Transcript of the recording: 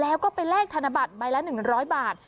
แล้วก็ไปแลกธนบัตรใบละ๑๐๐บาท